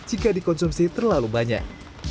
jika dikonsumsi terlalu banyak